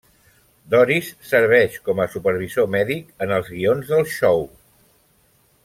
Doris, serveix com a supervisor mèdic en els guions del xou.